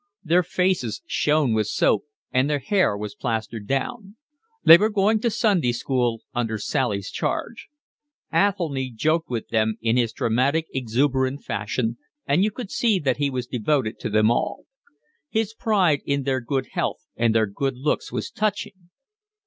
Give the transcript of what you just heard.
Their faces shone with soap, and their hair was plastered down; they were going to Sunday school under Sally's charge. Athelny joked with them in his dramatic, exuberant fashion, and you could see that he was devoted to them all. His pride in their good health and their good looks was touching.